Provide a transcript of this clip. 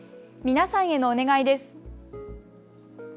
皆さんへのお願いです。